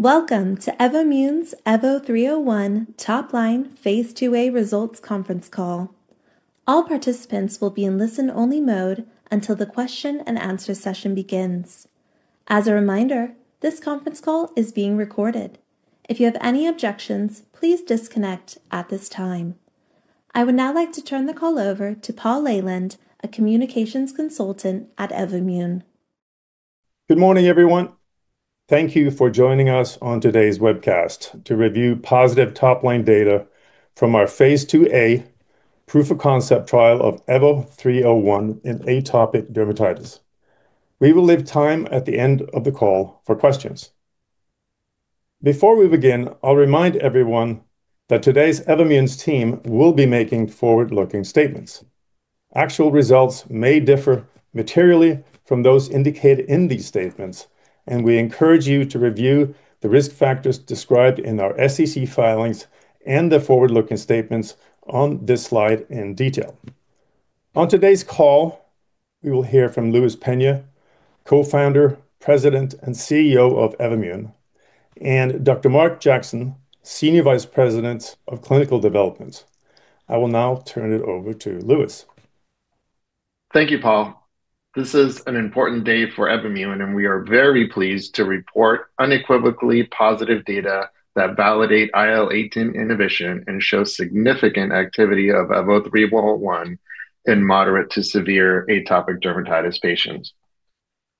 Welcome to Evommune's EVO301 Topline phase 2a Results Conference Call. All participants will be in listen-only mode until the question-and-answer session begins. As a reminder, this conference call is being recorded. If you have any objections, please disconnect at this time. I would now like to turn the call over to Paul Leyland, a communications consultant at Evommune. Good morning, everyone. Thank you for joining us on today's webcast to review positive topline data from our phase 2A proof-of-concept trial of EVO301 in atopic dermatitis. We will leave time at the end of the call for questions. Before we begin, I'll remind everyone that today's Evommune's team will be making forward-looking statements. Actual results may differ materially from those indicated in these statements, and we encourage you to review the risk factors described in our SEC filings and the forward-looking statements on this slide in detail. On today's call, we will hear from Luis Peña, co-founder, president, and CEO of Evommune, and Dr. Mark Jackson, senior vice president of clinical development. I will now turn it over to Luis. Thank you, Paul. This is an important day for Evommune, and we are very pleased to report unequivocally positive data that validate IL-18 inhibition and show significant activity of EVO301 in moderate to severe atopic dermatitis patients.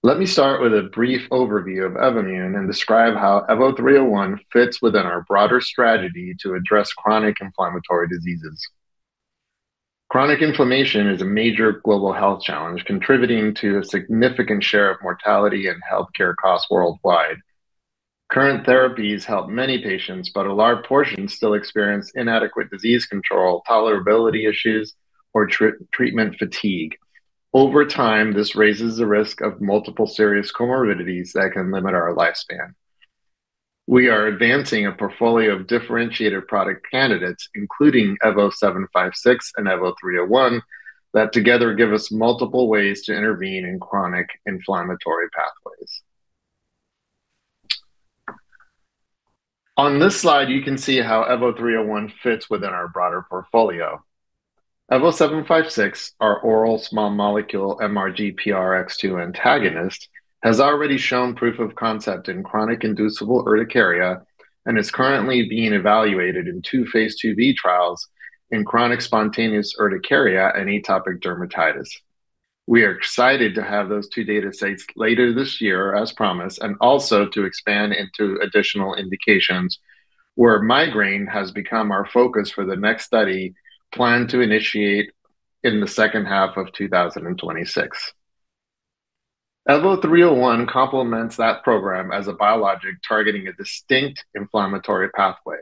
Let me start with a brief overview of Evommune and describe how EVO301 fits within our broader strategy to address chronic inflammatory diseases. Chronic inflammation is a major global health challenge contributing to a significant share of mortality and healthcare costs worldwide. Current therapies help many patients, but a large portion still experience inadequate disease control, tolerability issues, or treatment fatigue. Over time, this raises the risk of multiple serious comorbidities that can limit our lifespan. We are advancing a portfolio of differentiated product candidates, including EVO756 and EVO301, that together give us multiple ways to intervene in chronic inflammatory pathways. On this slide, you can see how EVO301 fits within our broader portfolio. EVO756, our oral small molecule MRGPRX2 antagonist, has already shown proof of concept in chronic inducible urticaria and is currently being evaluated in two phase 2b trials in chronic spontaneous urticaria and atopic dermatitis. We are excited to have those two datasets later this year, as promised, and also to expand into additional indications where migraine has become our focus for the next study planned to initiate in the second half of 2026. EVO301 complements that program as a biologic targeting a distinct inflammatory pathway.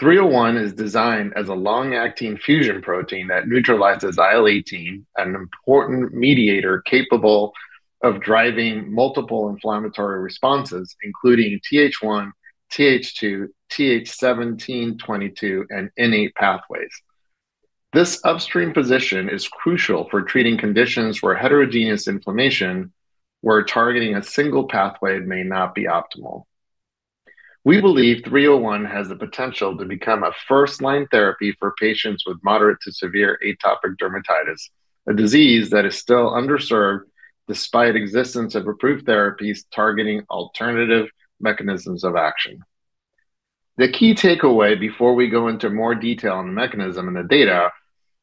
EVO301 is designed as a long-acting fusion protein that neutralizes IL-18, an important mediator capable of driving multiple inflammatory responses, including TH1, TH2, TH17, TH22, and innate pathways. This upstream position is crucial for treating conditions where heterogeneous inflammation, where targeting a single pathway may not be optimal. We believe EVO301 has the potential to become a first-line therapy for patients with moderate to severe atopic dermatitis, a disease that is still underserved despite existence of approved therapies targeting alternative mechanisms of action. The key takeaway before we go into more detail on the mechanism and the data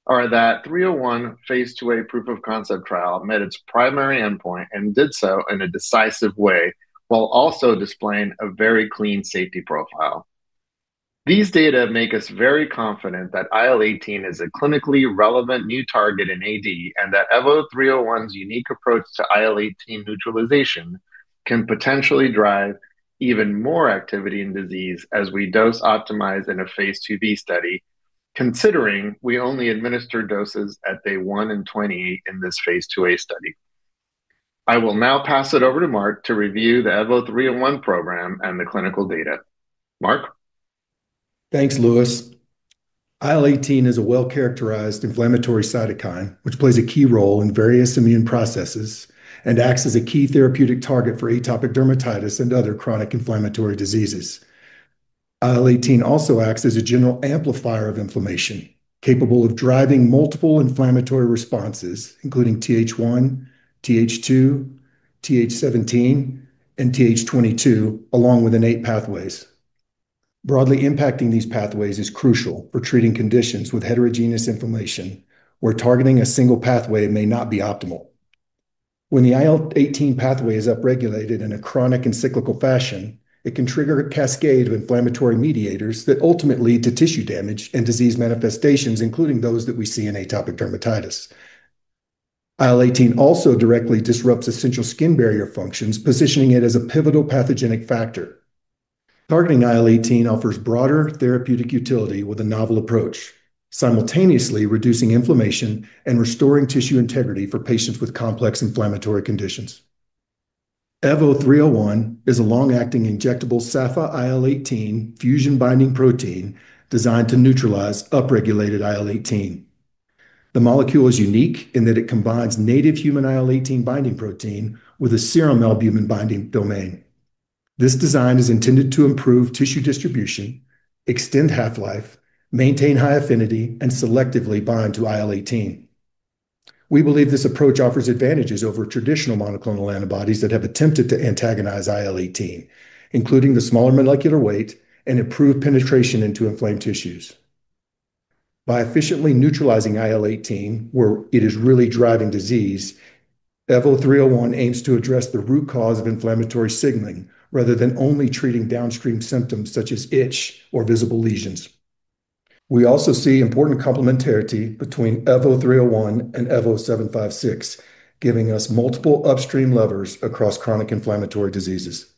are that EVO301 phase 2A proof-of-concept trial met its primary endpoint and did so in a decisive way while also displaying a very clean safety profile. These data make us very confident that IL-18 is a clinically relevant new target in AD and that EVO301's unique approach to IL-18 neutralization can potentially drive even more activity in disease as we dose-optimize in a phase 2B study, considering we only administer doses at day 1 and 28 in this phase 2A study. I will now pass it over to Mark to review the EVO301 program and the clinical data. Mark? Thanks, Luis. IL-18 is a well-characterized inflammatory cytokine, which plays a key role in various immune processes and acts as a key therapeutic target for atopic dermatitis and other chronic inflammatory diseases. IL-18 also acts as a general amplifier of inflammation, capable of driving multiple inflammatory responses, including TH1, TH2, TH17, and TH22, along with innate pathways. Broadly impacting these pathways is crucial for treating conditions with heterogeneous inflammation where targeting a single pathway may not be optimal. When the IL-18 pathway is upregulated in a chronic and cyclical fashion, it can trigger a cascade of inflammatory mediators that ultimately lead to tissue damage and disease manifestations, including those that we see in atopic dermatitis. IL-18 also directly disrupts essential skin barrier functions, positioning it as a pivotal pathogenic factor. Targeting IL-18 offers broader therapeutic utility with a novel approach, simultaneously reducing inflammation and restoring tissue integrity for patients with complex inflammatory conditions. EVO301 is a long-acting injectable SAFA IL-18 fusion binding protein designed to neutralize upregulated IL-18. The molecule is unique in that it combines native human IL-18 binding protein with a serum albumin binding domain. This design is intended to improve tissue distribution, extend half-life, maintain high affinity, and selectively bind to IL-18. We believe this approach offers advantages over traditional monoclonal antibodies that have attempted to antagonize IL-18, including the smaller molecular weight and improved penetration into inflamed tissues. By efficiently neutralizing IL-18, where it is really driving disease, EVO301 aims to address the root cause of inflammatory signaling rather than only treating downstream symptoms such as itch or visible lesions. We also see important complementarity between EVO301 and EVO756, giving us multiple upstream levers across chronic inflammatory diseases.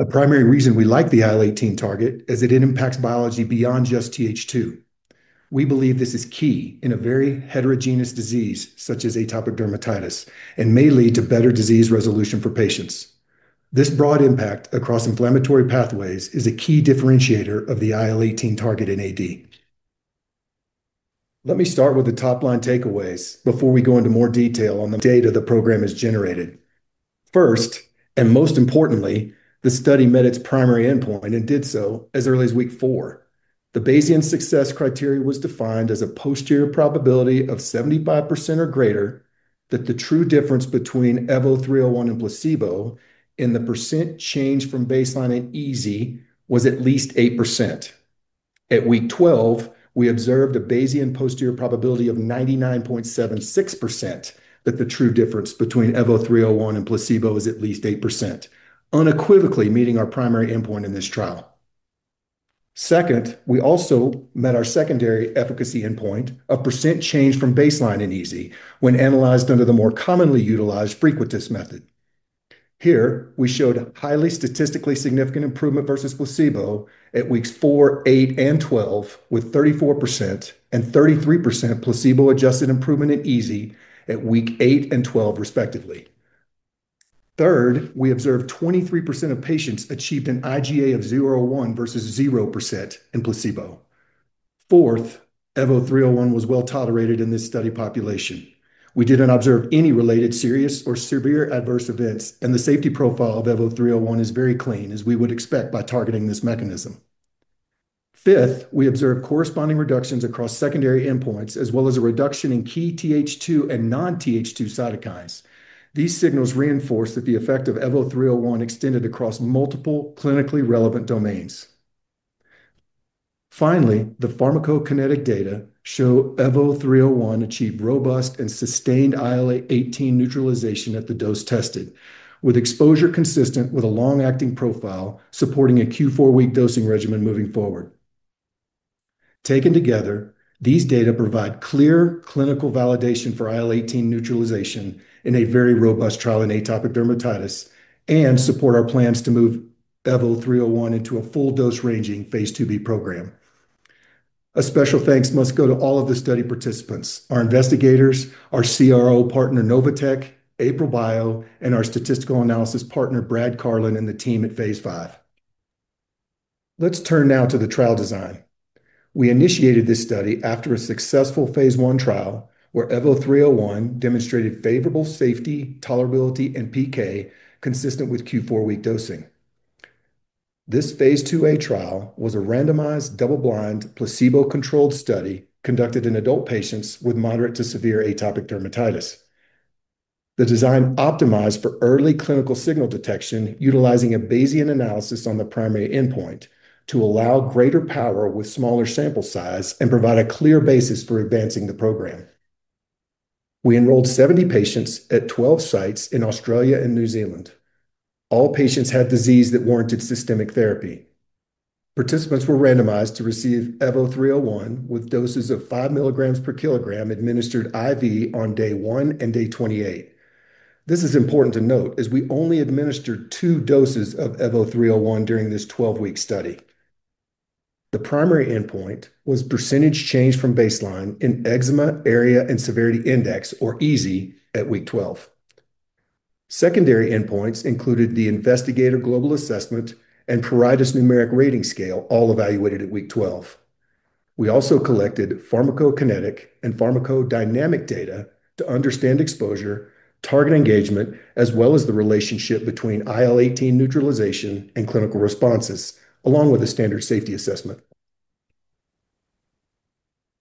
A primary reason we like the IL-18 target is that it impacts biology beyond just TH2. We believe this is key in a very heterogeneous disease such as atopic dermatitis and may lead to better disease resolution for patients. This broad impact across inflammatory pathways is a key differentiator of the IL-18 target in AD. Let me start with the topline takeaways before we go into more detail on the data the program has generated. First, and most importantly, the study met its primary endpoint and did so as early as week four. The Bayesian success criteria was defined as a posterior probability of 75% or greater that the true difference between EVO301 and placebo in the percent change from baseline at EASI was at least 8%. At week 12, we observed a Bayesian posterior probability of 99.76% that the true difference between EVO301 and placebo is at least 8%, unequivocally meeting our primary endpoint in this trial. Second, we also met our secondary efficacy endpoint of percent change from baseline in EASI when analyzed under the more commonly utilized frequentist method. Here, we showed highly statistically significant improvement versus placebo at weeks 4, 8, and 12 with 34% and 33% placebo-adjusted improvement in EASI at week 8 and 12, respectively. Third, we observed 23% of patients achieved an IGA of 0 or 1 versus 0% in placebo. Fourth, EVO301 was well-tolerated in this study population. We didn't observe any related serious or severe adverse events, and the safety profile of EVO301 is very clean as we would expect by targeting this mechanism. Fifth, we observed corresponding reductions across secondary endpoints as well as a reduction in key TH2 and non-TH2 cytokines. These signals reinforce that the effect of EVO301 extended across multiple clinically relevant domains. Finally, the pharmacokinetic data show EVO301 achieved robust and sustained IL-18 neutralization at the dose tested, with exposure consistent with a long-acting profile supporting a Q4 week dosing regimen moving forward. Taken together, these data provide clear clinical validation for IL-18 neutralization in a very robust trial in atopic dermatitis and support our plans to move EVO301 into a full-dose ranging Phase 2B program. A special thanks must go to all of the study participants: our investigators, our CRO partner Novotech, AprilBio, and our statistical analysis partner Brad Carlin and the team at Phase V. Let's turn now to the trial design. We initiated this study after a successful phase 1 trial where EVO301 demonstrated favorable safety, tolerability, and PK consistent with Q4 week dosing. This phase 2A trial was a randomized double-blind placebo-controlled study conducted in adult patients with moderate to severe atopic dermatitis. The design optimized for early clinical signal detection utilizing a Bayesian analysis on the primary endpoint to allow greater power with smaller sample size and provide a clear basis for advancing the program. We enrolled 70 patients at 12 sites in Australia and New Zealand. All patients had disease that warranted systemic therapy. Participants were randomized to receive EVO301 with doses of 5 milligrams per kilogram administered IV on day 1 and day 28. This is important to note as we only administered two doses of EVO301 during this 12-week study. The primary endpoint was percentage change from baseline in Eczema Area and Severity Index, or EASI, at week 12. Secondary endpoints included the Investigator Global Assessment and pruritus numeric rating scale, all evaluated at week 12. We also collected pharmacokinetic and pharmacodynamic data to understand exposure, target engagement, as well as the relationship between IL-18 neutralization and clinical responses, along with a standard safety assessment.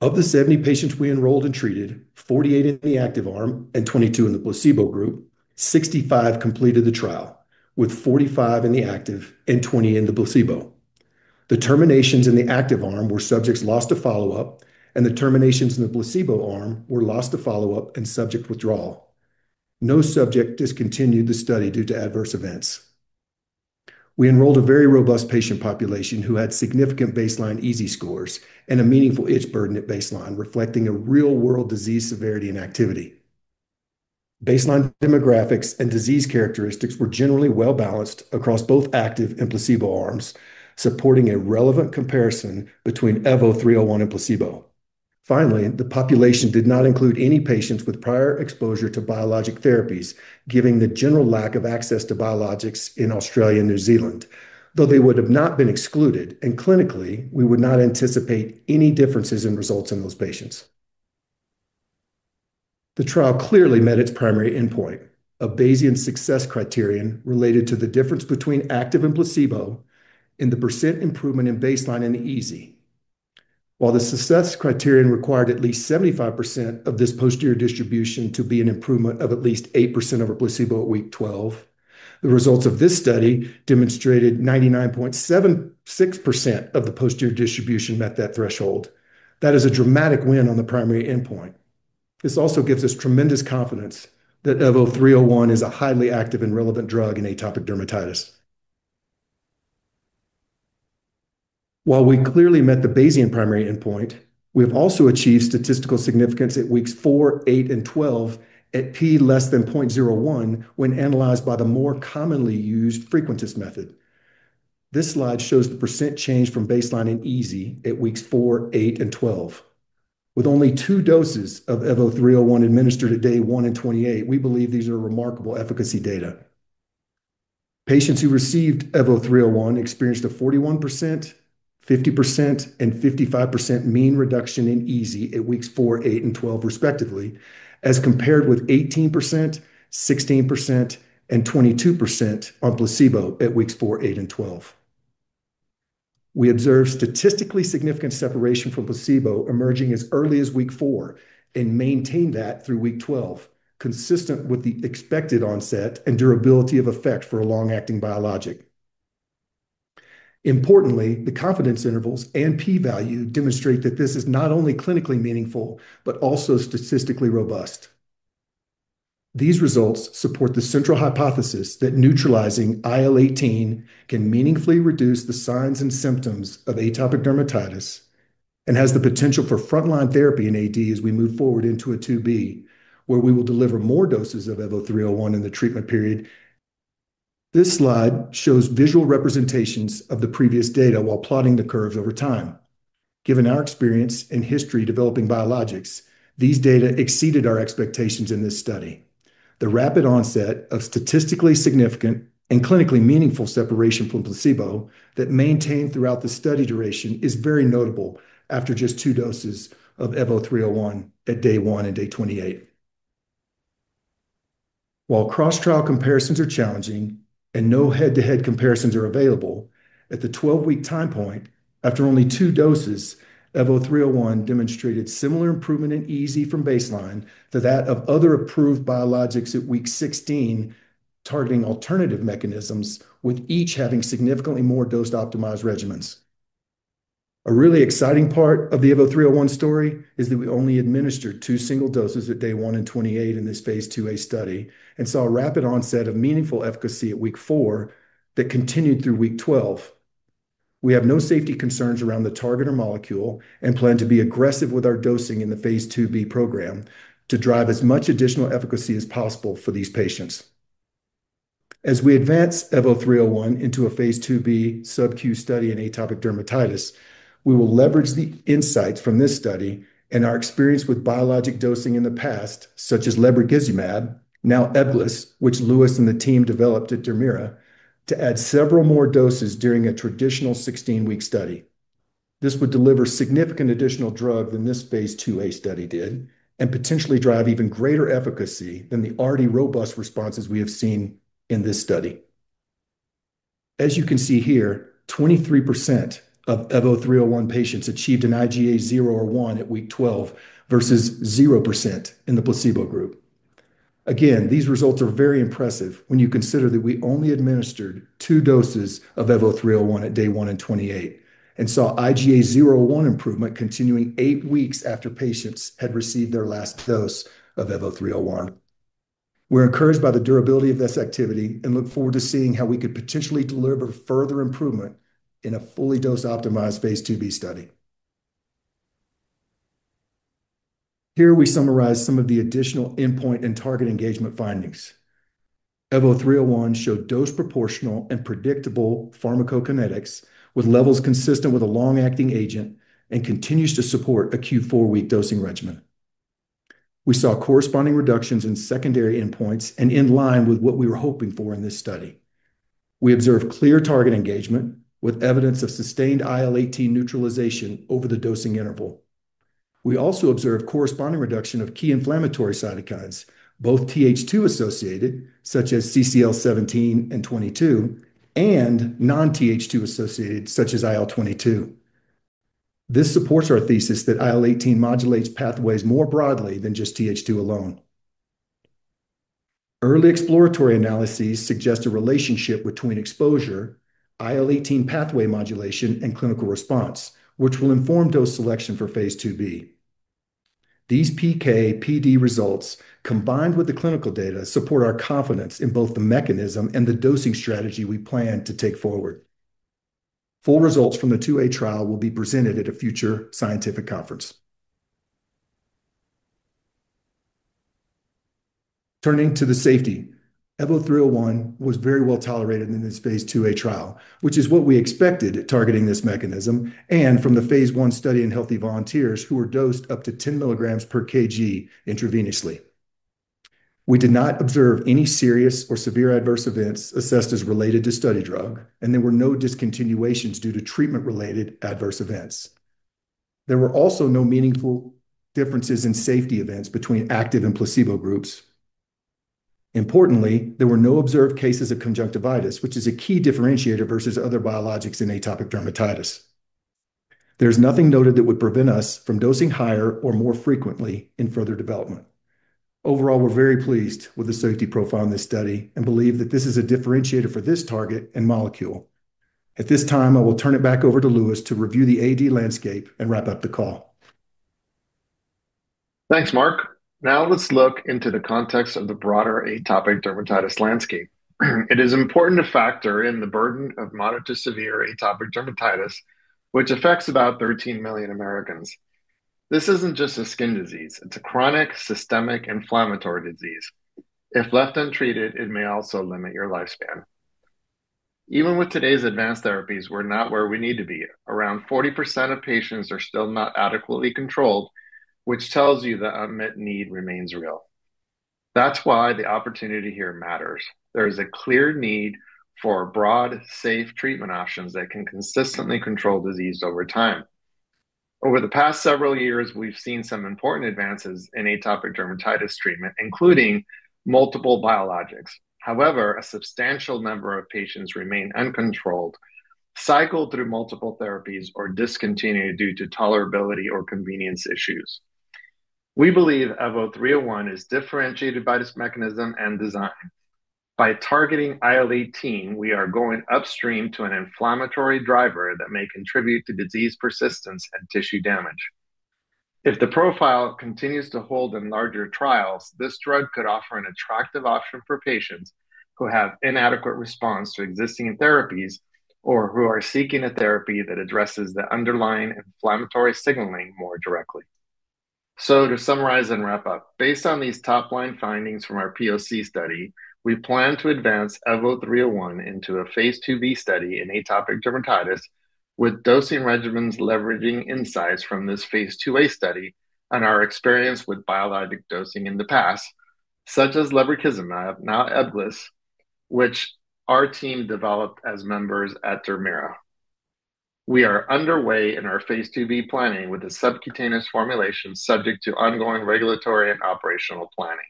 Of the 70 patients we enrolled and treated, 48 in the active arm and 22 in the placebo group, 65 completed the trial, with 45 in the active and 20 in the placebo. The terminations in the active arm were subjects lost to follow-up, and the terminations in the placebo arm were lost to follow-up and subject withdrawal. No subject discontinued the study due to adverse events. We enrolled a very robust patient population who had significant baseline EASI scores and a meaningful itch burden at baseline, reflecting a real-world disease severity and activity. Baseline demographics and disease characteristics were generally well-balanced across both active and placebo arms, supporting a relevant comparison between EVO301 and placebo. Finally, the population did not include any patients with prior exposure to biologic therapies, given the general lack of access to biologics in Australia and New Zealand, though they would have not been excluded, and clinically, we would not anticipate any differences in results in those patients. The trial clearly met its primary endpoint, a Bayesian success criterion related to the difference between active and placebo in the percent improvement in baseline and EASI. While the success criterion required at least 75% of this posterior distribution to be an improvement of at least 8% over placebo at week 12, the results of this study demonstrated 99.76% of the posterior distribution met that threshold. That is a dramatic win on the primary endpoint. This also gives us tremendous confidence that EVO301 is a highly active and relevant drug in atopic dermatitis. While we clearly met the Bayesian primary endpoint, we have also achieved statistical significance at weeks 4, 8, and 12 at p < 0.01 when analyzed by the more commonly used frequentist method. This slide shows the percent change from baseline in EASI at weeks 4, 8, and 12. With only two doses of EVO301 administered at day 1 and 28, we believe these are remarkable efficacy data. Patients who received EVO301 experienced a 41%, 50%, and 55% mean reduction in EASI at weeks 4, 8, and 12, respectively, as compared with 18%, 16%, and 22% on placebo at weeks 4, 8, and 12. We observe statistically significant separation from placebo emerging as early as week 4 and maintain that through week 12, consistent with the expected onset and durability of effect for a long-acting biologic. Importantly, the confidence intervals and p-value demonstrate that this is not only clinically meaningful but also statistically robust. These results support the central hypothesis that neutralizing IL-18 can meaningfully reduce the signs and symptoms of atopic dermatitis and has the potential for frontline therapy in AD as we move forward into a Phase 2B, where we will deliver more doses of EVO301 in the treatment period. This slide shows visual representations of the previous data while plotting the curves over time. Given our experience in history developing biologics, these data exceeded our expectations in this study. The rapid onset of statistically significant and clinically meaningful separation from placebo that maintained throughout the study duration is very notable after just 2 doses of EVO301 at day 1 and day 28. While cross-trial comparisons are challenging and no head-to-head comparisons are available, at the 12-week time point, after only 2 doses, EVO301 demonstrated similar improvement in EASI from baseline to that of other approved biologics at week 16 targeting alternative mechanisms, with each having significantly more dose-optimized regimens. A really exciting part of the EVO301 story is that we only administered 2 single doses at day 1 and 28 in this phase 2A study and saw a rapid onset of meaningful efficacy at week 4 that continued through week 12. We have no safety concerns around the target or molecule and plan to be aggressive with our dosing in the phase 2B program to drive as much additional efficacy as possible for these patients. As we advance EVO301 into a phase 2B sub-Q study in atopic dermatitis, we will leverage the insights from this study and our experience with biologic dosing in the past, such as lebrikizumab, now Ebglyss, which Luis and the team developed at Dermira, to add several more doses during a traditional 16-week study. This would deliver significant additional drug than this phase 2A study did and potentially drive even greater efficacy than the already robust responses we have seen in this study. As you can see here, 23% of EVO301 patients achieved an IGA 0 or 1 at week 12 versus 0% in the placebo group. Again, these results are very impressive when you consider that we only administered two doses of EVO301 at day 1 and 28 and saw IGA 0 or 1 improvement continuing eight weeks after patients had received their last dose of EVO301. We're encouraged by the durability of this activity and look forward to seeing how we could potentially deliver further improvement in a fully dose-optimized phase 2B study. Here we summarize some of the additional endpoint and target engagement findings. EVO301 showed dose-proportional and predictable pharmacokinetics with levels consistent with a long-acting agent and continues to support a Q4 week dosing regimen. We saw corresponding reductions in secondary endpoints and in line with what we were hoping for in this study. We observed clear target engagement with evidence of sustained IL-18 neutralization over the dosing interval. We also observed corresponding reduction of key inflammatory cytokines, both TH2-associated, such as CCL17 and CCL22, and non-TH2-associated, such as IL-22. This supports our thesis that IL-18 modulates pathways more broadly than just TH2 alone. Early exploratory analyses suggest a relationship between exposure, IL-18 pathway modulation, and clinical response, which will inform dose selection for Phase 2B. These PK/PD results, combined with the clinical data, support our confidence in both the mechanism and the dosing strategy we plan to take forward. Full results from the Phase 2A trial will be presented at a future scientific conference. Turning to the safety, EVO301 was very well-tolerated in this Phase 2A trial, which is what we expected targeting this mechanism and from the Phase 1 study in healthy volunteers who were dosed up to 10 mg/kg intravenously. We did not observe any serious or severe adverse events assessed as related to study drug, and there were no discontinuations due to treatment-related adverse events. There were also no meaningful differences in safety events between active and placebo groups. Importantly, there were no observed cases of conjunctivitis, which is a key differentiator versus other biologics in atopic dermatitis. There's nothing noted that would prevent us from dosing higher or more frequently in further development. Overall, we're very pleased with the safety profile in this study and believe that this is a differentiator for this target and molecule. At this time, I will turn it back over to Luis to review the AD landscape and wrap up the call. Thanks, Mark. Now let's look into the context of the broader atopic dermatitis landscape. It is important to factor in the burden of moderate to severe atopic dermatitis, which affects about 13 million Americans. This isn't just a skin disease. It's a chronic systemic inflammatory disease. If left untreated, it may also limit your lifespan. Even with today's advanced therapies, we're not where we need to be. Around 40% of patients are still not adequately controlled, which tells you the unmet need remains real. That's why the opportunity here matters. There is a clear need for broad, safe treatment options that can consistently control disease over time. Over the past several years, we've seen some important advances in atopic dermatitis treatment, including multiple biologics. However, a substantial number of patients remain uncontrolled, cycle through multiple therapies, or discontinue due to tolerability or convenience issues. We believe EVO301 is differentiated by its mechanism and design. By targeting IL-18, we are going upstream to an inflammatory driver that may contribute to disease persistence and tissue damage. If the profile continues to hold in larger trials, this drug could offer an attractive option for patients who have inadequate response to existing therapies or who are seeking a therapy that addresses the underlying inflammatory signaling more directly. So to summarize and wrap up, based on these top-line findings from our POC study, we plan to advance EVO301 into a phase 2B study in atopic dermatitis with dosing regimens leveraging insights from this phase 2A study and our experience with biologic dosing in the past, such as lebrikizumab, now Ebglyss, which our team developed as members at Dermira. We are underway in our phase 2B planning with a subcutaneous formulation subject to ongoing regulatory and operational planning.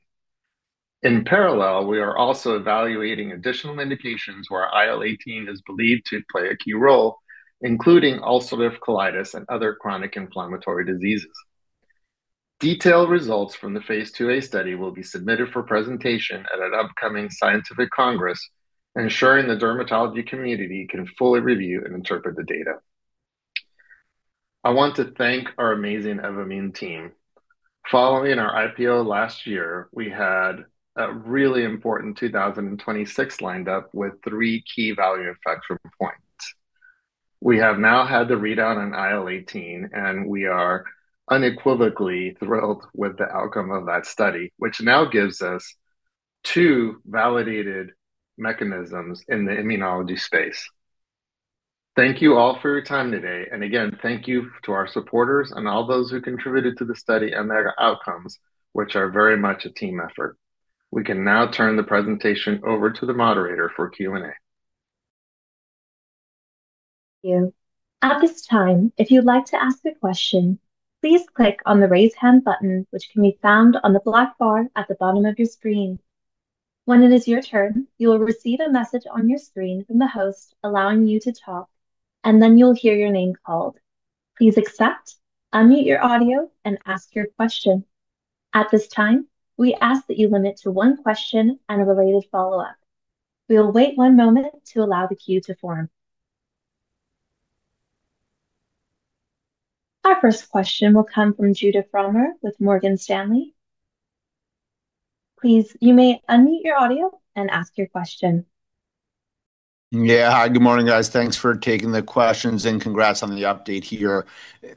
In parallel, we are also evaluating additional indications where IL-18 is believed to play a key role, including ulcerative colitis and other chronic inflammatory diseases. Detailed results from the phase 2A study will be submitted for presentation at an upcoming scientific congress, ensuring the dermatology community can fully review and interpret the data. I want to thank our amazing Evommune team. Following our IPO last year, we had a really important 2026 lined up with three key value inflection points. We have now had the readout on IL-18, and we are unequivocally thrilled with the outcome of that study, which now gives us two validated mechanisms in the immunology space. Thank you all for your time today. Again, thank you to our supporters and all those who contributed to the study and their outcomes, which are very much a team effort. We can now turn the presentation over to the moderator for Q&A. Thank you. At this time, if you'd like to ask a question, please click on the raise hand button, which can be found on the black bar at the bottom of your screen. When it is your turn, you will receive a message on your screen from the host allowing you to talk, and then you'll hear your name called. Please accept, unmute your audio, and ask your question. At this time, we ask that you limit to one question and a related follow-up. We'll wait one moment to allow the queue to form. Our first question will come from Judah Frommer with Morgan Stanley. Please, you may unmute your audio and ask your question. Yeah. Hi, good morning, guys. Thanks for taking the questions and congrats on the update here.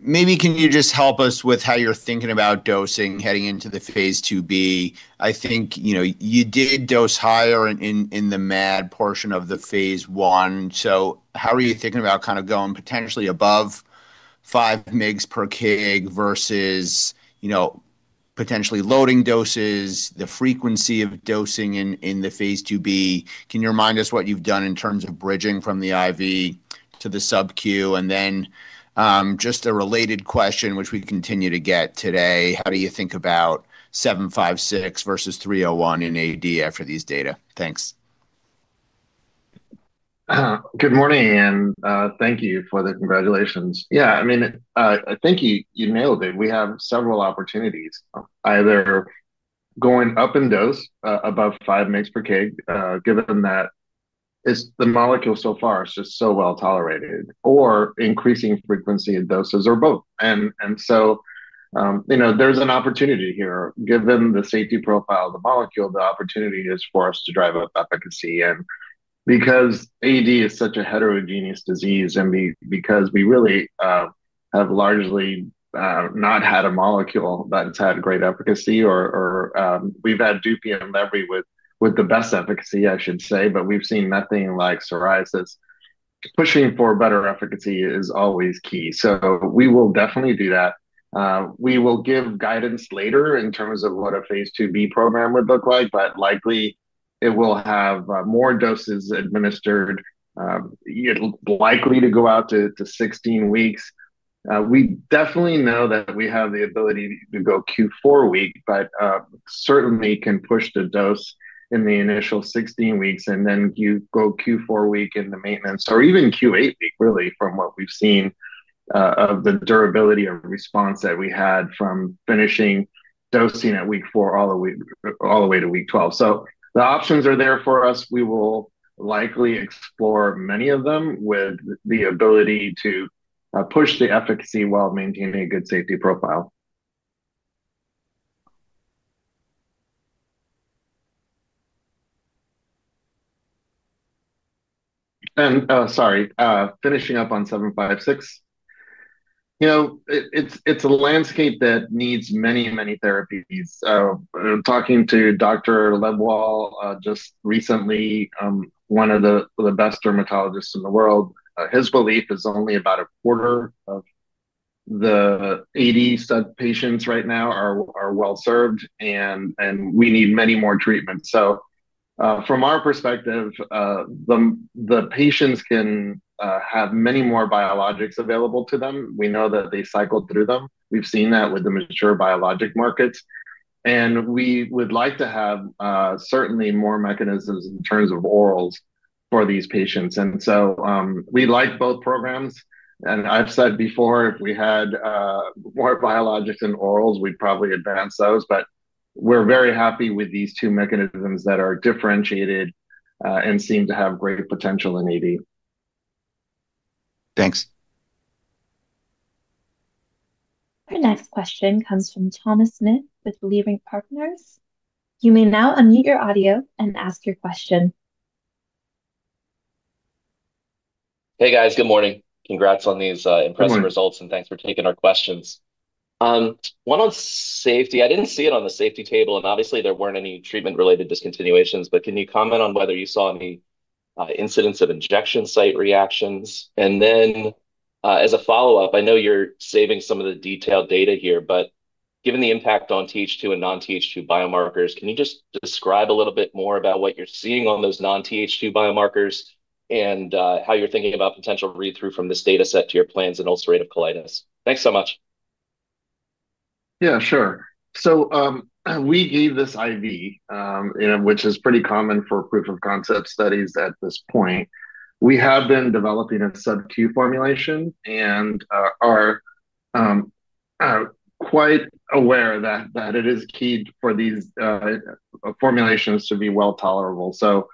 Maybe can you just help us with how you're thinking about dosing heading into the Phase 2B? I think you did dose higher in the MAD portion of the Phase 1. So how are you thinking about kind of going potentially above 5 mg per kg versus potentially loading doses, the frequency of dosing in the Phase 2B? Can you remind us what you've done in terms of bridging from the IV to the sub-Q? And then just a related question, which we continue to get today: how do you think about 756 versus 301 in AD after these data? Thanks. Good morning, and thank you for the congratulations. Yeah, I mean, I think you nailed it. We have several opportunities, either going up in dose above 5 mg per kg, given that the molecule so far is just so well-tolerated, or increasing frequency and doses, or both. So there's an opportunity here. Given the safety profile of the molecule, the opportunity is for us to drive up efficacy. And because AD is such a heterogeneous disease and because we really have largely not had a molecule that's had great efficacy, or we've had Dupixent, lebrikizumab with the best efficacy, I should say, but we've seen nothing like psoriasis. Pushing for better efficacy is always key. So we will definitely do that. We will give guidance later in terms of what a phase 2B program would look like, but likely it will have more doses administered. It'll likely go out to 16 weeks. We definitely know that we have the ability to go Q4 week, but certainly can push the dose in the initial 16 weeks and then go Q4 week in the maintenance, or even Q8 week, really, from what we've seen of the durability of response that we had from finishing dosing at week 4 all the way to week 12. So the options are there for us. We will likely explore many of them with the ability to push the efficacy while maintaining a good safety profile. And sorry, finishing up on 756. It's a landscape that needs many, many therapies. Talking to Dr. Lebwohl just recently, one of the best dermatologists in the world, his belief is only about a quarter of the 80% patients right now are well-served, and we need many more treatments. From our perspective, the patients can have many more biologics available to them. We know that they cycle through them. We've seen that with the mature biologic markets. We would like to have certainly more mechanisms in terms of orals for these patients. We like both programs. I've said before, if we had more biologics and orals, we'd probably advance those. We're very happy with these two mechanisms that are differentiated and seem to have great potential in AD. Thanks. Our next question comes from Thomas Smith with Leerink Partners. You may now unmute your audio and ask your question. Hey, guys. Good morning. Congrats on these impressive results, and thanks for taking our questions. One on safety. I didn't see it on the safety table, and obviously, there weren't any treatment-related discontinuations. But can you comment on whether you saw any incidents of injection site reactions? And then as a follow-up, I know you're saving some of the detailed data here, but given the impact on TH2 and non-TH2 biomarkers, can you just describe a little bit more about what you're seeing on those non-TH2 biomarkers and how you're thinking about potential read-through from this dataset to your plans in ulcerative colitis? Thanks so much. Yeah, sure. So we gave this IV, which is pretty common for proof-of-concept studies at this point. We have been developing a sub-Q formulation and are quite aware that it is key for these formulations to be well-tolerable. So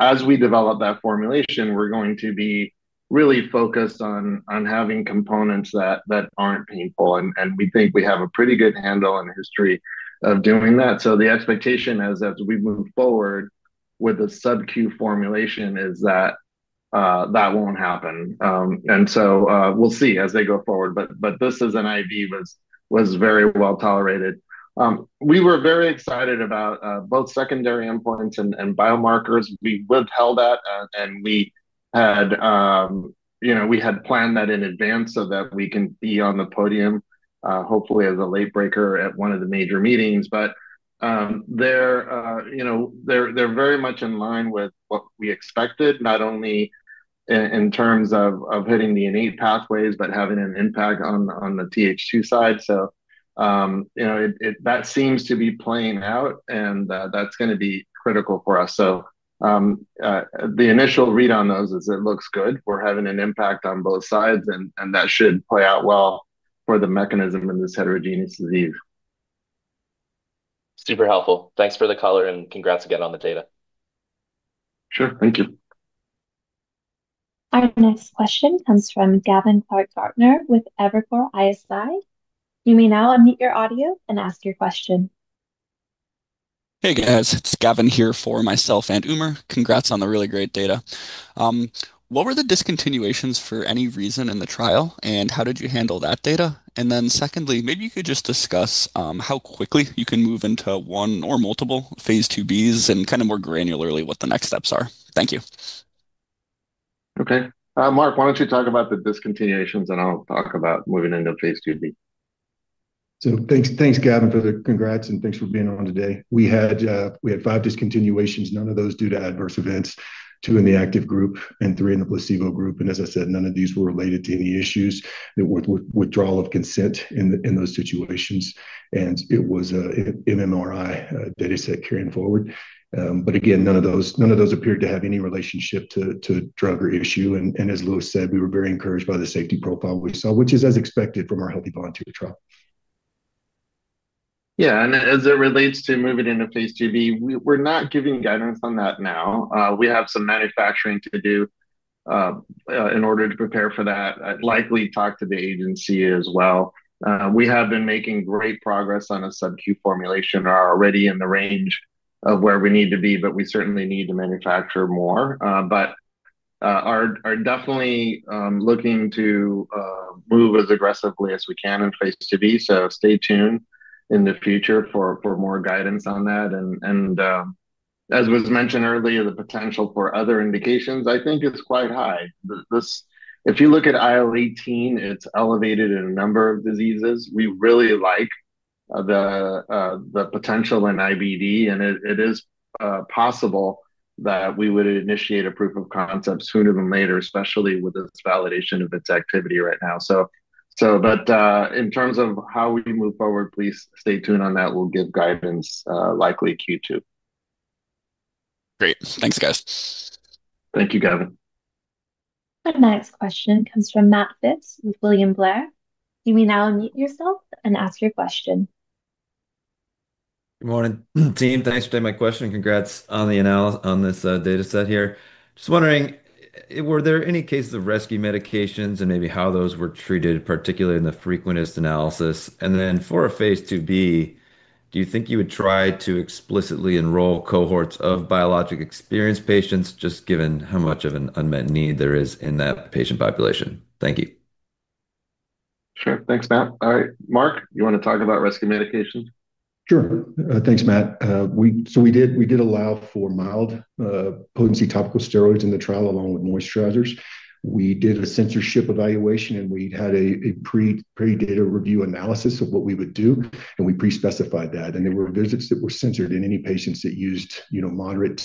as we develop that formulation, we're going to be really focused on having components that aren't painful. And we think we have a pretty good handle on the history of doing that. So the expectation as we move forward with the sub-Q formulation is that that won't happen. And so we'll see as they go forward. But this as an IV was very well-tolerated. We were very excited about both secondary endpoints and biomarkers. We withheld that, and we had planned that in advance so that we can be on the podium, hopefully as a late breaker at one of the major meetings. But they're very much in line with what we expected, not only in terms of hitting the innate pathways but having an impact on the TH2 side. So that seems to be playing out, and that's going to be critical for us. So the initial read on those is it looks good. We're having an impact on both sides, and that should play out well for the mechanism in this heterogeneous disease. Super helpful. Thanks for the caller, and congrats again on the data. Sure. Thank you. Our next question comes from Gavin Clark-Gartner with Evercore ISI. You may now unmute your audio and ask your question. Hey, guys. It's Gavin here for myself and Umer. Congrats on the really great data. What were the discontinuations for any reason in the trial, and how did you handle that data? And then secondly, maybe you could just discuss how quickly you can move into one or multiple phase 2Bs and kind of more granularly what the next steps are. Thank you. Okay. Mark, why don't you talk about the discontinuations, and I'll talk about moving into phase 2B. Thanks, Gavin, for the congrats, and thanks for being on today. We had five discontinuations. None of those due to adverse events, two in the active group and three in the placebo group. And as I said, none of these were related to any issues. It was withdrawal of consent in those situations, and it was an MMRM dataset carrying forward. But again, none of those appeared to have any relationship to drug or issue. And as Lewis said, we were very encouraged by the safety profile we saw, which is as expected from our Healthy Volunteer trial. Yeah. And as it relates to moving into phase 2B, we're not giving guidance on that now. We have some manufacturing to do in order to prepare for that. I'd likely talk to the agency as well. We have been making great progress on a sub-Q formulation and are already in the range of where we need to be, but we certainly need to manufacture more. But are definitely looking to move as aggressively as we can in phase 2B. So stay tuned in the future for more guidance on that. And as was mentioned earlier, the potential for other indications, I think, is quite high. If you look at IL-18, it's elevated in a number of diseases. We really like the potential in IBD, and it is possible that we would initiate a proof of concept sooner than later, especially with this validation of its activity right now. But in terms of how we move forward, please stay tuned on that. We'll give guidance likely Q2. Great. Thanks, guys. Thank you, Gavin. Our next question comes from Matt Phipps with William Blair. You may now unmute yourself and ask your question. Good morning, team. Thanks for taking my question. Congrats on this dataset here. Just wondering, were there any cases of rescue medications and maybe how those were treated, particularly in the frequentist analysis? And then for a phase 2B, do you think you would try to explicitly enroll cohorts of biologic-experienced patients, just given how much of an unmet need there is in that patient population? Thank you. Sure. Thanks, Matt. All right. Mark, you want to talk about rescue medications? Sure. Thanks, Matt. So we did allow for mild potency topical steroids in the trial along with moisturizers. We did a censoring evaluation, and we had a pre-data review analysis of what we would do, and we pre-specified that. And there were visits that were censored in any patients that used moderate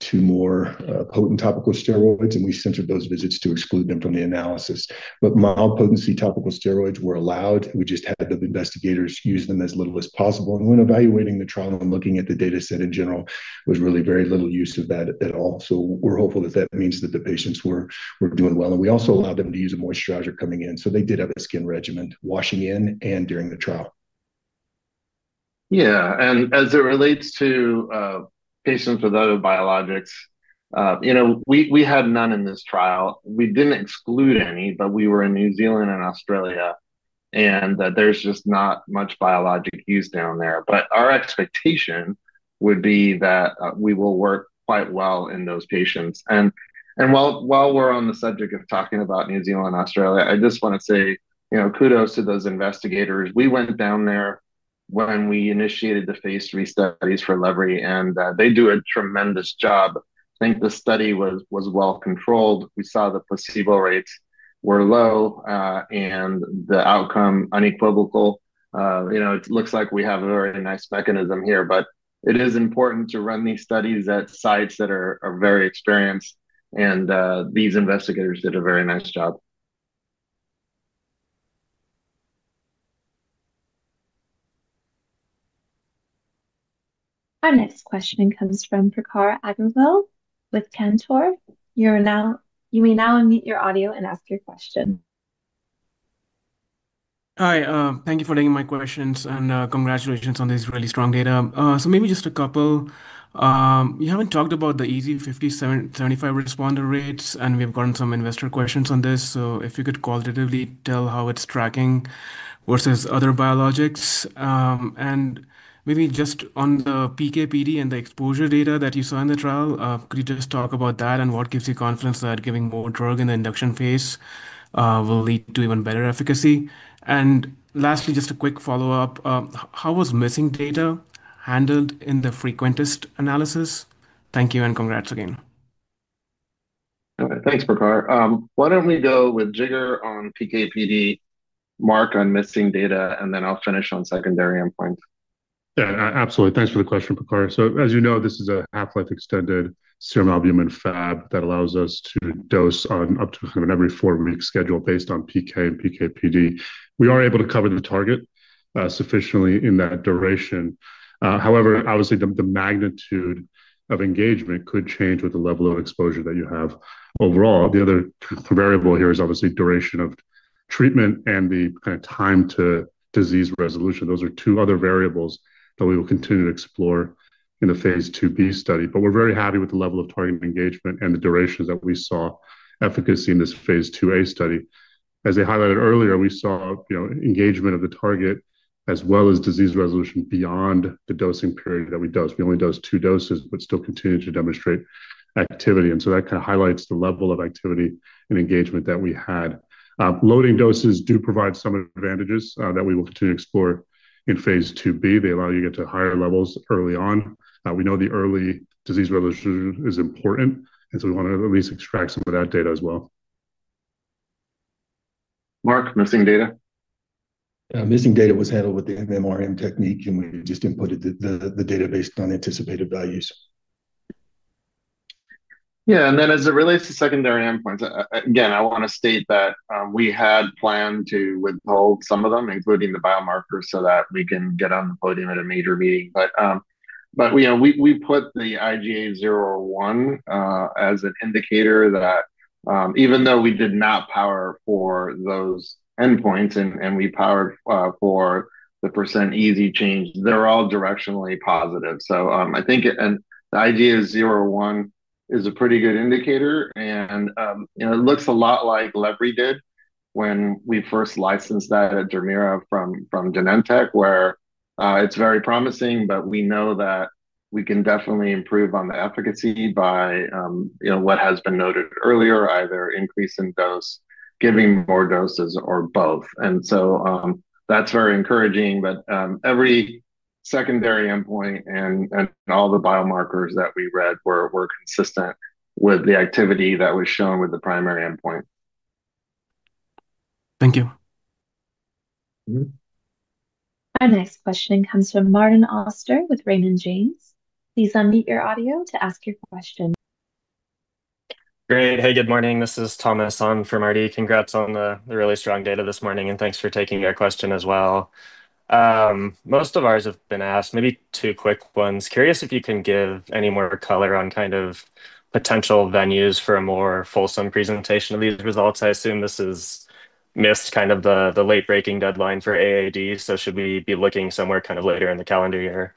to more potent topical steroids, and we censored those visits to exclude them from the analysis. But mild potency topical steroids were allowed. We just had the investigators use them as little as possible. And when evaluating the trial and looking at the dataset in general, there was really very little use of that at all. So we're hopeful that that means that the patients were doing well. And we also allowed them to use a moisturizer coming in. So they did have a skin regimen washing in and during the trial. Yeah. As it relates to patients without biologics, we had none in this trial. We didn't exclude any, but we were in New Zealand and Australia, and there's just not much biologic use down there. But our expectation would be that we will work quite well in those patients. While we're on the subject of talking about New Zealand and Australia, I just want to say kudos to those investigators. We went down there when we initiated the phase 3 studies for lebrikizumab, and they do a tremendous job. I think the study was well-controlled. We saw the placebo rates were low and the outcome unequivocal. It looks like we have a very nice mechanism here, but it is important to run these studies at sites that are very experienced. These investigators did a very nice job. Our next question comes from Prakhar Agrawal with Cantor. You may now unmute your audio and ask your question. Hi. Thank you for taking my questions, and congratulations on this really strong data. So maybe just a couple. We haven't talked about the EASI 50-75 responder rates, and we've gotten some investor questions on this. So if you could qualitatively tell how it's tracking versus other biologics. And maybe just on the PK/PD and the exposure data that you saw in the trial, could you just talk about that and what gives you confidence that giving more drug in the induction phase will lead to even better efficacy? And lastly, just a quick follow-up. How was missing data handled in the frequentist analysis? Thank you and congrats again. All right. Thanks, Prakhar. Why don't we go with Jigar on PKPD, Mark on missing data, and then I'll finish on secondary endpoints? Yeah. Absolutely. Thanks for the question, Prakhar. So as you know, this is a half-life extended serum albumin Fab that allows us to dose on up to kind of an every 4-week schedule based on PK and PKPD. We are able to cover the target sufficiently in that duration. However, obviously, the magnitude of engagement could change with the level of exposure that you have overall. The other variable here is obviously duration of treatment and the kind of time to disease resolution. Those are two other variables that we will continue to explore in the phase 2B study. But we're very happy with the level of target engagement and the durations that we saw efficacy in this phase 2A study. As I highlighted earlier, we saw engagement of the target as well as disease resolution beyond the dosing period that we dosed. We only dosed 2 doses but still continued to demonstrate activity. And so that kind of highlights the level of activity and engagement that we had. Loading doses do provide some advantages that we will continue to explore in phase 2B. They allow you to get to higher levels early on. We know the early disease resolution is important, and so we want to at least extract some of that data as well. Mark, missing data? Yeah. Missing data was handled with the MMRM technique, and we just inputted the data based on anticipated values. Yeah. And then as it relates to secondary endpoints, again, I want to state that we had planned to withhold some of them, including the biomarkers, so that we can get on the podium at a major meeting. But we put the IGA 0/1 as an indicator that even though we did not power for those endpoints and we powered for the percent EASI change, they're all directionally positive. So I think the IGA 0/1 is a pretty good indicator, and it looks a lot like lebrikizumab did when we first licensed that at Dermira from Genentech, where it's very promising, but we know that we can definitely improve on the efficacy by what has been noted earlier, either increase in dose, giving more doses, or both. And so that's very encouraging. But every secondary endpoint and all the biomarkers that we read were consistent with the activity that was shown with the primary endpoint. Thank you. Our next question comes from Martin Auster with Raymond James. Please unmute your audio to ask your question. Great. Hey, good morning. This is Thomas from Leerink. Congrats on the really strong data this morning, and thanks for taking our question as well. Most of ours have been asked, maybe two quick ones. Curious if you can give any more color on kind of potential venues for a more fulsome presentation of these results. I assume this missed kind of the late-breaking deadline for AAD, so should we be looking somewhere kind of later in the calendar year?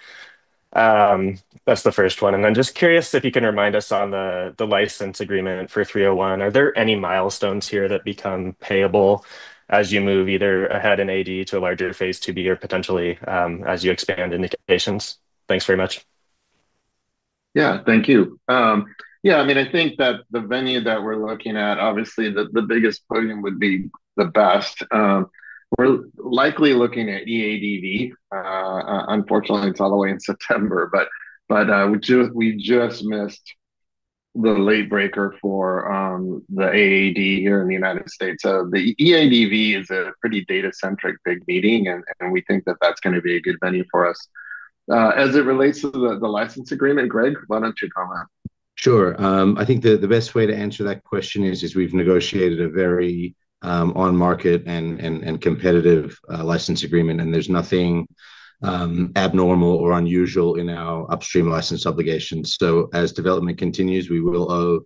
That's the first one. And then just curious if you can remind us on the license agreement for 301, are there any milestones here that become payable as you move either ahead in AD to a larger phase 2B or potentially as you expand indications? Thanks very much. Yeah. Thank you. Yeah. I mean, I think that the venue that we're looking at, obviously, the biggest podium would be the best. We're likely looking at EADV. Unfortunately, it's all the way in September, but we just missed the late breaker for the AAD here in the United States. So the EADV is a pretty data-centric big meeting, and we think that that's going to be a good venue for us. As it relates to the license agreement, Greg, why don't you comment? Sure. I think the best way to answer that question is we've negotiated a very on-market and competitive license agreement, and there's nothing abnormal or unusual in our upstream license obligations. So as development continues, we will owe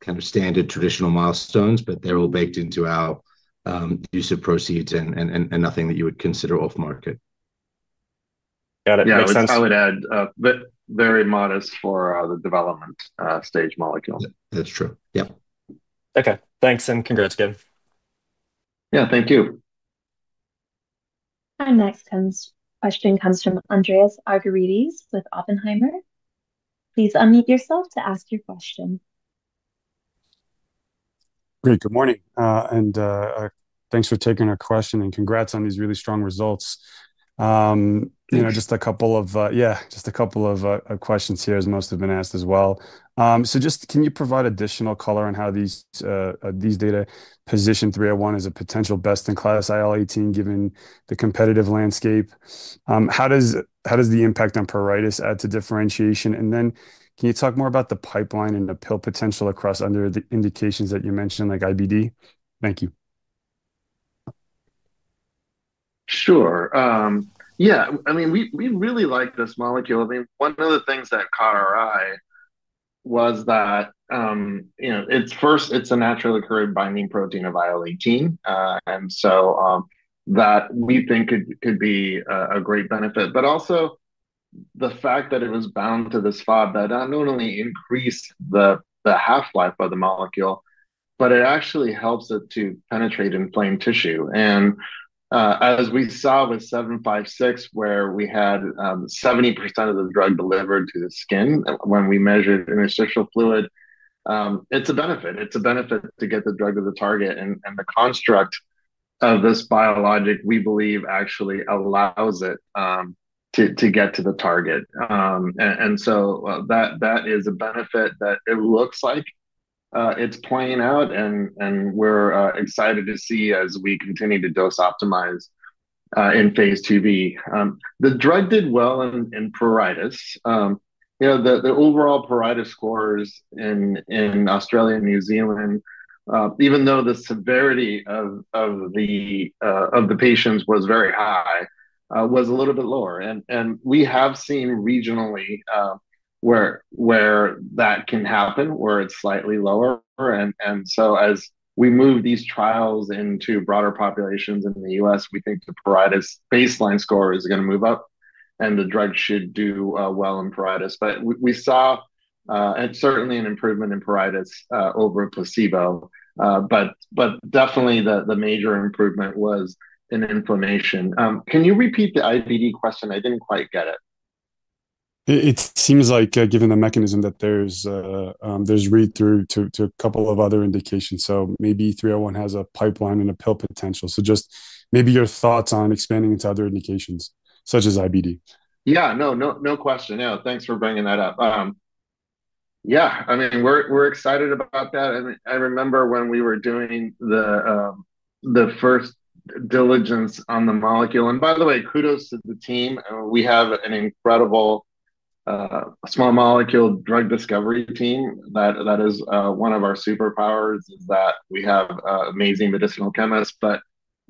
kind of standard traditional milestones, but they're all baked into our use of proceeds and nothing that you would consider off-market. Got it. Makes sense. Yeah. I would add very modest for the development stage molecule. That's true. Yep. Okay. Thanks and congrats again. Yeah. Thank you. Our next question comes from Andreas Argyrides with Oppenheimer. Please unmute yourself to ask your question. Great. Good morning. And thanks for taking our question, and congrats on these really strong results. Just a couple of questions here, as most have been asked as well. So just can you provide additional color on how these data position 301 as a potential best-in-class IL-18 given the competitive landscape? How does the impact on pruritus add to differentiation? And then can you talk more about the pipeline and the pill potential under the indications that you mentioned, like IBD? Thank you. Sure. Yeah. I mean, we really like this molecule. I mean, one of the things that caught our eye was that first, it's a naturally occurring binding protein of IL-18, and so that we think could be a great benefit. But also the fact that it was bound to this fab that not only increased the half-life of the molecule, but it actually helps it to penetrate inflamed tissue. And as we saw with 756, where we had 70% of the drug delivered to the skin when we measured interstitial fluid, it's a benefit. It's a benefit to get the drug to the target. And the construct of this biologic, we believe, actually allows it to get to the target. And so that is a benefit that it looks like it's playing out, and we're excited to see as we continue to dose optimize in phase 2B. The drug did well in pruritus. The overall pruritus scores in Australia and New Zealand, even though the severity of the patients was very high, was a little bit lower. And we have seen regionally where that can happen, where it's slightly lower. And so as we move these trials into broader populations in the U.S., we think the pruritus baseline score is going to move up, and the drug should do well in pruritus. But we saw certainly an improvement in pruritus over placebo, but definitely the major improvement was in inflammation. Can you repeat the IBD question? I didn't quite get it. It seems like, given the mechanism, that there's read-through to a couple of other indications. So maybe 301 has a pipeline and a pill potential. So just maybe your thoughts on expanding into other indications such as IBD. Yeah. No, no question. Yeah. Thanks for bringing that up. Yeah. I mean, we're excited about that. I remember when we were doing the first diligence on the molecule. And by the way, kudos to the team. We have an incredible small molecule drug discovery team. That is one of our superpowers, is that we have amazing medicinal chemists. But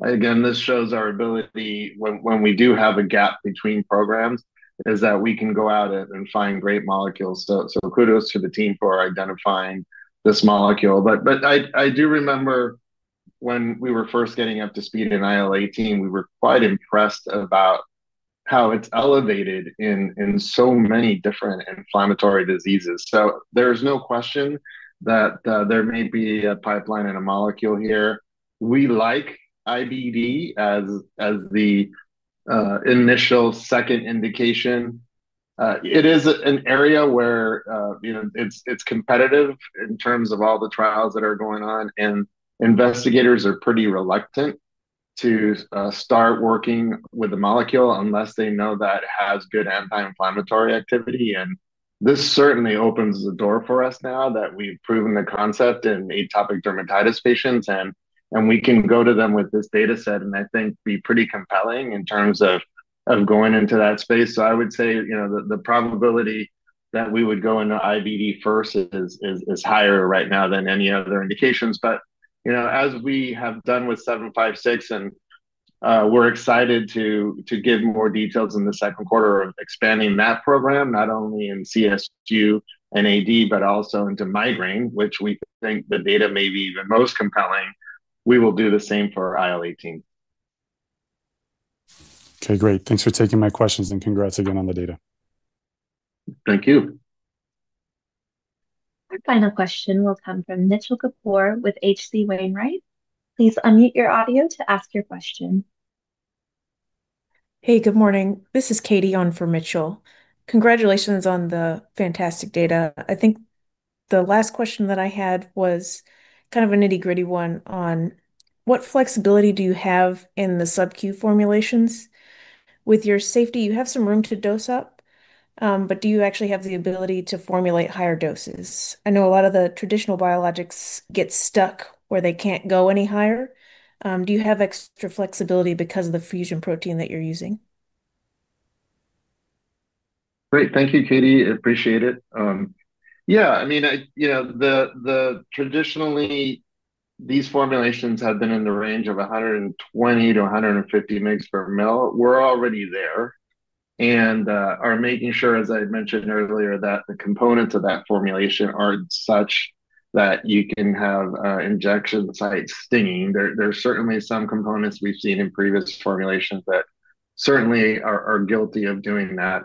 again, this shows our ability when we do have a gap between programs is that we can go out and find great molecules. So kudos to the team for identifying this molecule. But I do remember when we were first getting up to speed in IL-18, we were quite impressed about how it's elevated in so many different inflammatory diseases. So there is no question that there may be a pipeline in a molecule here. We like IBD as the initial second indication. It is an area where it's competitive in terms of all the trials that are going on, and investigators are pretty reluctant to start working with the molecule unless they know that it has good anti-inflammatory activity. And this certainly opens the door for us now that we've proven the concept in atopic dermatitis patients, and we can go to them with this dataset and I think be pretty compelling in terms of going into that space. So I would say the probability that we would go into IBD first is higher right now than any other indications. But as we have done with 756, and we're excited to give more details in the second quarter of expanding that program, not only in CSU and AD, but also into migraine, which we think the data may be even most compelling, we will do the same for IL-18. Okay. Great. Thanks for taking my questions and congrats again on the data. Thank you. Our final question will come from Mitchell Kapoor with H.C. Wainwright. Please unmute your audio to ask your question. Hey, good morning. This is Katie on from Mitchell. Congratulations on the fantastic data. I think the last question that I had was kind of a nitty-gritty one on what flexibility do you have in the sub-Q formulations? With your safety, you have some room to dose up, but do you actually have the ability to formulate higher doses? I know a lot of the traditional biologics get stuck where they can't go any higher. Do you have extra flexibility because of the fusion protein that you're using? Great. Thank you, Katie. Appreciate it. Yeah. I mean, traditionally, these formulations have been in the range of 120-150 milligrams per mL. We're already there and are making sure, as I mentioned earlier, that the components of that formulation are such that you can have injection sites stinging. There are certainly some components we've seen in previous formulations that certainly are guilty of doing that.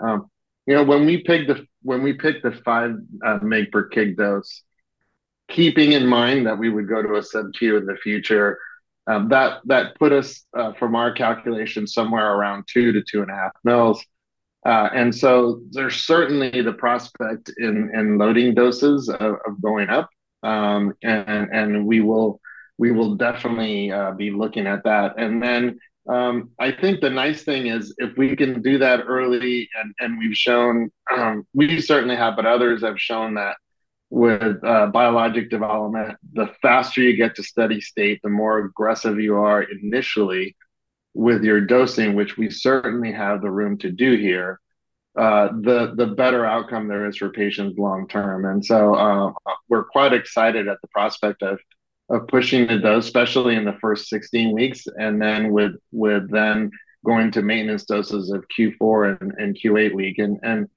When we picked the 5 milligrams per kg dose, keeping in mind that we would go to a sub-Q in the future, that put us, from our calculation, somewhere around 2 to 2.5 mL. And so there's certainly the prospect in loading doses of going up, and we will definitely be looking at that. Then I think the nice thing is if we can do that early and we've shown we certainly have, but others have shown that with biologic development, the faster you get to steady state, the more aggressive you are initially with your dosing, which we certainly have the room to do here, the better outcome there is for patients long-term. So we're quite excited at the prospect of pushing the dose, especially in the first 16 weeks, and then with then going to maintenance doses of Q4 and Q8 week. And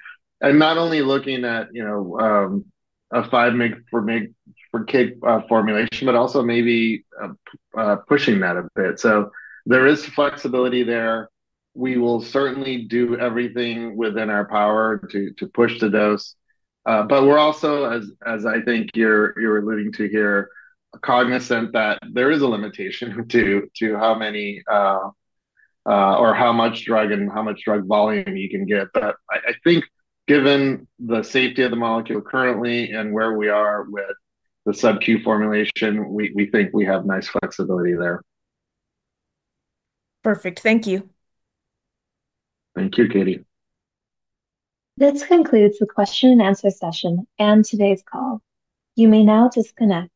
not only looking at a 5 mg/kg formulation, but also maybe pushing that a bit. So there is flexibility there. We will certainly do everything within our power to push the dose. But we're also, as I think you're alluding to here, cognizant that there is a limitation to how many or how much drug and how much drug volume you can get. But I think given the safety of the molecule currently and where we are with the sub-Q formulation, we think we have nice flexibility there. Perfect. Thank you. Thank you, Katie. This concludes the question-and-answer session and today's call. You may now disconnect.